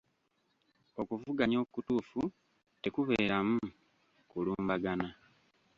Okuvuganya okutuufu tekubeeramu kulumbagana.